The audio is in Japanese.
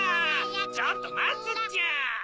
ちょっとまつっちゃ！